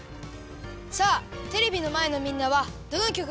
さあテレビのまえのみんなはどのきょくがよかったですか？